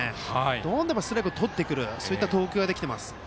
どんどんストライクをとるそういう投球ができています。